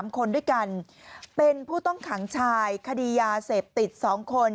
๓คนด้วยกันเป็นผู้ต้องขังชายคดียาเสพติด๒คน